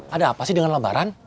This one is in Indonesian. ada apa sih dengan lebaran